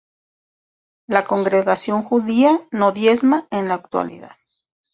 La congregación judía no diezma en la actualidad.